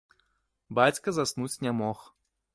Бацька заснуць не мог.